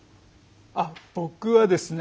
あっ僕はですね